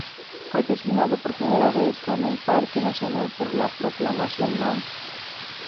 Fue designado por primera vez como un Parque nacional por la Proclamación no.